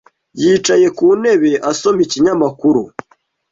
Yicaye ku ntebe asoma ikinyamakuru.